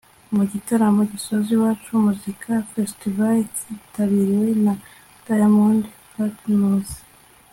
mu gitaramo gisoza iwacu muzika festival cyitabiriwe na diamond platnumz